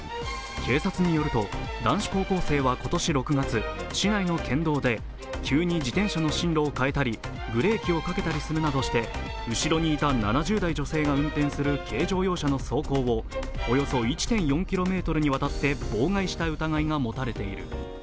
警察によると男子高校生は今年６月、市内の県道で急に自転車の進路を変えたりブレーキをかけたりするなどして後ろにいた７０代女性が運転する軽乗用車の走行をおよそ１．４ｋｍにわたって妨害した疑いが持たれている。